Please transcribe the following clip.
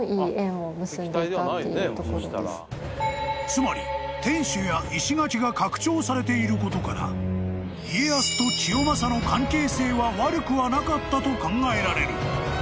［つまり天守や石垣が拡張されていることから家康と清正の関係性は悪くはなかったと考えられる］